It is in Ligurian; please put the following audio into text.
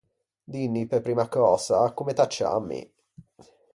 Dinni pe primma cösa comme t’acciammi.